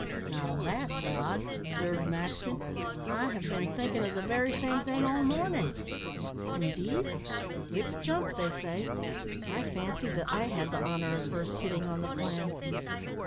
"Now that's odd," observed Maxton, "I have been thinking of the very same thing all morning." "Indeed! wits jump, they say. I fancied that I had the honour of first hitting on the plan."